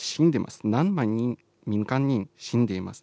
民間人は死んでいます。